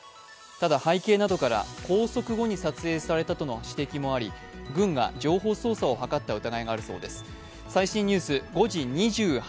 ただ、背景などから拘束後に撮影されたとの指摘もあり軍が情報操作を図った疑いがあるそうです。